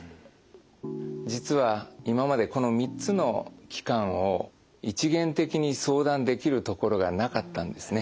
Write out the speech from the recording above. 実は今までこの３つの機関を一元的に相談できるところがなかったんですね。